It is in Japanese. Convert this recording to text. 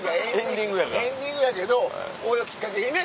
エンディングやけどこれをきっかけにね。